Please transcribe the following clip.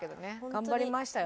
頑張りましたよ。